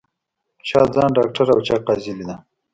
چا ځان ډاکټره او چا قاضي لیده